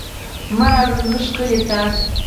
مه راځه زموږ کلي ته.